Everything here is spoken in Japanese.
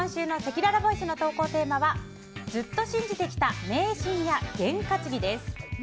さて今週のせきららボイスの投稿テーマはずっと信じてきた迷信や験担ぎです。